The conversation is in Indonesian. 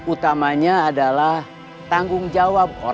utamanya adalah tanggung jawab semua orang